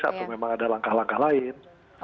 atau memang ada langkah langkah lain